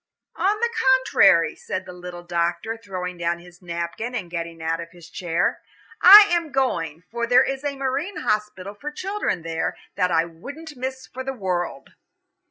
"On the contrary," said the little doctor, throwing down his napkin and getting out of his chair. "I am going, for there is a marine hospital for children there, that I wouldn't miss for the world."